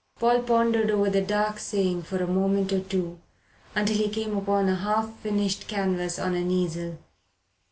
Paul pondered over the dark saying for a moment or two until he came upon a half finished canvas on an easel.